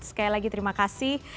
sekali lagi terima kasih